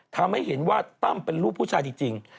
ทำให้เห็นว่าตั้มเป็นลูกผู้ชายจริง